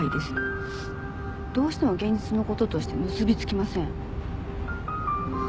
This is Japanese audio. どうしても現実の事として結びつきません。